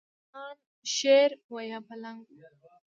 پر مېدان شېر و یا پلنګ و.